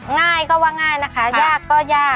ง่ายก็ว่าง่ายนะคะยากก็ยาก